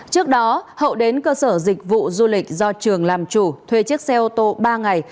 trước đó hậu đến cơ sở dịch vụ du lịch do trường làm chủ thuê chiếc xe ô tô ba ngày